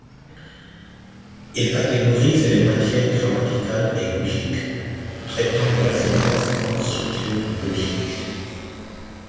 Il catégorise les matières grammaticales et logiques, traitant de la syntaxe comme structure logique.